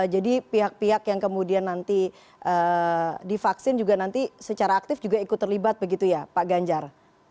jadi pihak pihak yang kemudian nanti divaksin juga nanti secara aktif ikut terlibat begitu ya pak ganjar